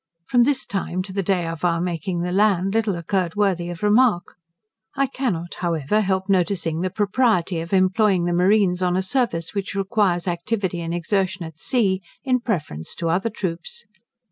From this time to the day of our making the land, little occurred worthy of remark. I cannot, however, help noticing the propriety of employing the marines on a service which requires activity and exertion at sea, in preference to other troops.